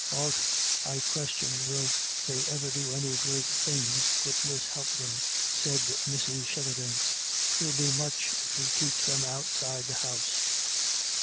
"Augh, I question will they ever do any great things, goodness help them," said Mrs. Sheridan. " 'Twill be much if he keeps them outside the House."